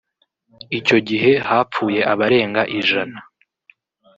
Icyo gihe hapfuye abarenga ijana